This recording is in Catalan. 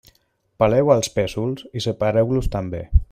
Peleu els pèsols i separeu-los també.